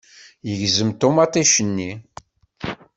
Yegzem ṭumaṭic-nni.